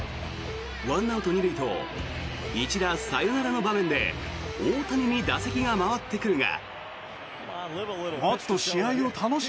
１アウト２塁と一打サヨナラの場面で大谷に打席が回ってくるが。